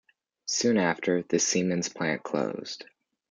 Soon after, the Siemens plant closed.